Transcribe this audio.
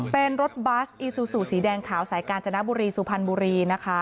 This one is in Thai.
เป็นรถบัสอีซูซูสีแดงขาวสายกาญจนบุรีสุพรรณบุรีนะคะ